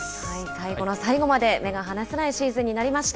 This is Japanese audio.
最後の最後まで、目が離せないシーズンになりました。